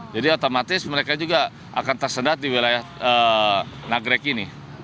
jadi otomatis mereka juga akan tersedat di wilayah nagrek ini